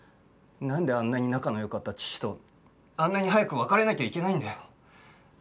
なんであんなに仲の良かった父とあんなに早く別れなきゃいけないんだよ。